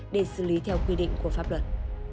để xử lý theo quy định của pháp luật